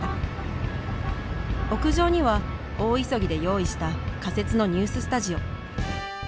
屋上には大急ぎで用意した仮設のニューススタジオ。